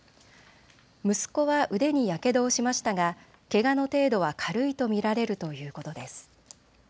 息子は腕にやけどをしましたがけがの程度は軽いと見られるということです。